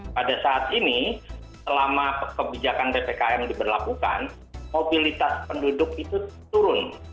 pada saat ini selama kebijakan ppkm diberlakukan mobilitas penduduk itu turun